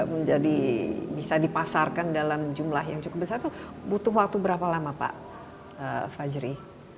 menjadi bisa dipasarkan dalam jumlah yang cukup besar butuh waktu berapa lama pak fajri